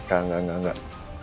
enggak enggak enggak